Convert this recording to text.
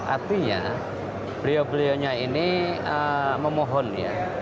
artinya beliau beliau nya ini memohon ya